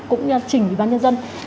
cũng như là trình bì ban nhân dân